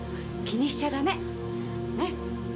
気にしちゃダメよ